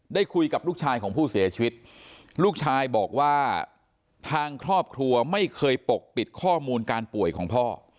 ได้คุยกับลูกชายของผู้เสียชีวิตลูกชายบอกว่าทางครอบครัวไม่เคยปกปิดข้อมูลการป่วยของพ่อ